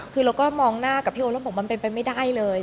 คือเราก็มองหน้ากับพี่โอ๊แล้วบอกมันเป็นไปไม่ได้เลย